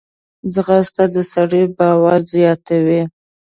ځغاسته د سړي باور زیاتوي